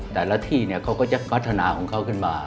แต่ละที่เขาก็จะพัฒนาของเขาขึ้นมา